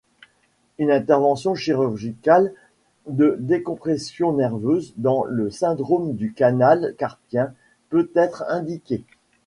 Une intervention chirurgicale de décompression nerveuse dans le syndrome ducanal carpien peut être indiquée.